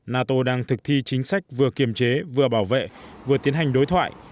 nato đang thực thi chính sách vừa kiềm chế vừa bảo vệ vừa tiến hành đối thoại